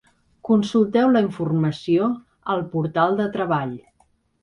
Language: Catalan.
Consulteu la informació al portal de Treball.